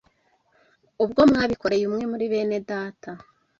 Ubwo mwabikoreye umwe muri bene Data